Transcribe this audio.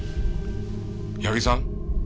八木さん？